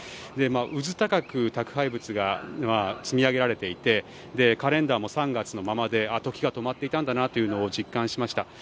うずたかく宅配物が積み上げられていてカレンダーも３月のままで時が止まっていたんだなというのを実感しました。